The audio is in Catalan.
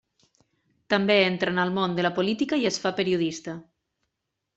També entra en el món de la política i es fa periodista.